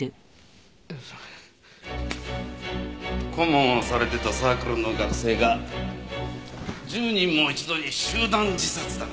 顧問をされてたサークルの学生が１０人も一度に集団自殺だなんて。